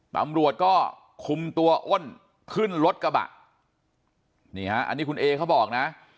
ตำรวจก็คุมตัวอ้นขึ้นรถกระบะนี่ฮะอันนี้คุณเอเขาบอกนะ